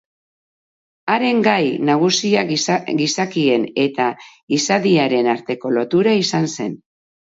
Haren gai nagusia gizakien eta izadiaren arteko lotura izan zen.